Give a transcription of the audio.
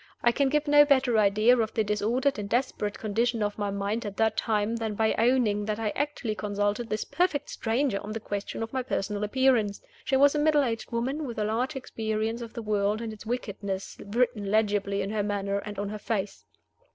I can give no better idea of the disordered and desperate condition of my mind at that time than by owning that I actually consulted this perfect stranger on the question of my personal appearance. She was a middle aged woman, with a large experience of the world and its wickedness written legibly on her manner and on her face.